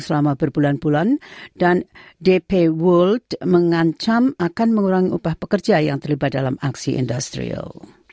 selama berbulan bulan dan dp world mengancam akan mengurangi upah pekerja yang terlibat dalam aksi industrial